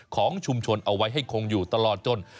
ของชุมชนเอาไว้ให้คงอยู่ตลอดจน